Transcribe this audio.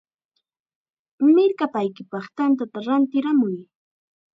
¡Mirkapaykipaq tantata rantiramuy!